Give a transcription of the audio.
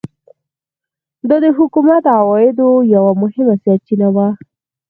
دا د حکومت د عوایدو یوه مهمه سرچینه وه.